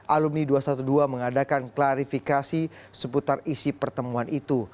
alumni dua ratus dua belas mengadakan klarifikasi seputar isi pertemuan itu